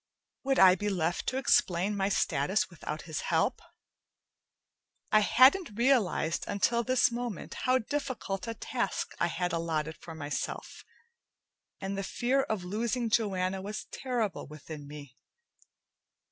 Would I be left to explain my status without his help? I hadn't realized until this moment how difficult a task I had allotted for myself, and the fear of losing Joanna was terrible within me.